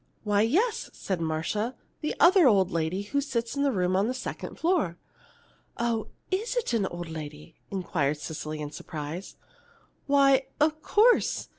"Why, yes," said Marcia. "The other old lady who sits in the room on the second floor." "Oh, is it an old lady?" inquired Cecily, in surprise. "Why, of course!